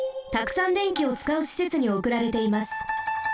たくさん電気をつかうしせつにおくられています。